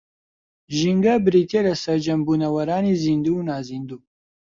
ژینگە بریتییە لە سەرجەم بوونەوەرانی زیندوو و نازیندوو